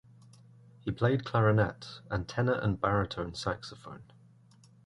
He played clarinet and tenor and baritone saxophone.